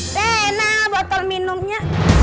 renaaa botol minumnya